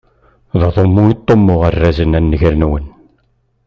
D aḍummu i ṭṭummuɣ arazen a nnger-nwen.